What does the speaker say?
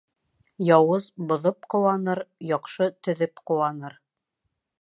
Яуыз боҙоп ҡыуаныр, яҡшы төҙөп ҡыуаныр.